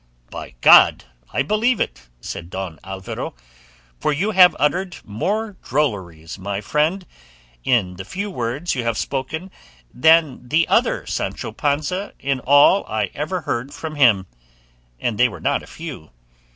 "By God I believe it," said Don Alvaro; "for you have uttered more drolleries, my friend, in the few words you have spoken than the other Sancho Panza in all I ever heard from him, and they were not a few.